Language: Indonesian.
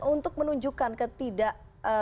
untuk menunjukkan ketidak